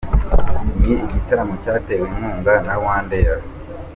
Ni igitaramo cyatewe inkunga na Rwandair.